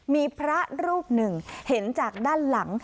มีพระรูปหนึ่งเห็นจากด้านหลัง